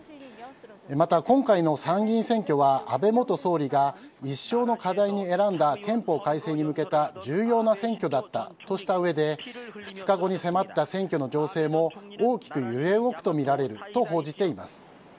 また、今回の参議院選挙は安倍元総理が一生の課題に選んだ憲法改正に向けた重要な選挙だったとしたうえで２日後に迫った選挙の情勢も大きく揺れ動くとみられると報じています。